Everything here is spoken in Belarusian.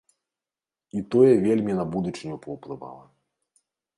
І тое вельмі на будучыню паўплывала.